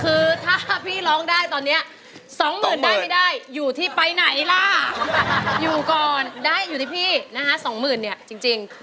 คือถ้าพี่ร้องได้ตอนนี้สองหมื่นได้ไม่ได้อยู่ที่ไปไหนล่ะอยู่ก่อนได้อยู่ที่พี่นะคะสองหมื่นเนี่ยจริง